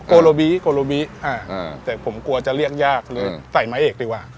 โกโลบีโกโลบีอ่าอ่าแต่ผมกลัวจะเรียกยากเลยใส่ไม้เอกดีกว่า